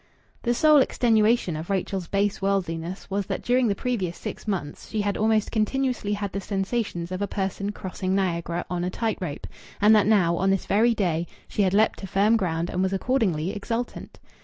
The sole extenuation of Rachel's base worldliness was that during the previous six months she had almost continuously had the sensations of a person crossing Niagara on a tight rope, and that now, on this very day, she had leaped to firm ground and was accordingly exultant.